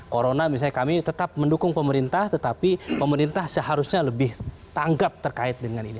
corona misalnya kami tetap mendukung pemerintah tetapi pemerintah seharusnya lebih tanggap terkait dengan ini